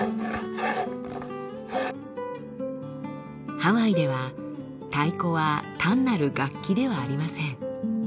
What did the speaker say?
ハワイでは太鼓は単なる楽器ではありません。